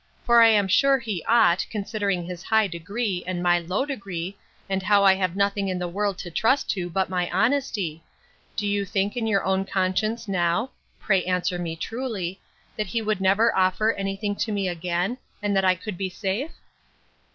For I am sure he ought, considering his high degree, and my low degree, and how I have nothing in the world to trust to but my honesty: Do you think in your own conscience now, (pray answer me truly,) that he would never offer any thing to me again, and that I could be safe?